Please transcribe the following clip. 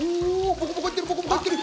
ポコポコいってるポコポコいってる！